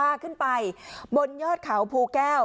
ขึ้นไปบนยอดเขาภูแก้ว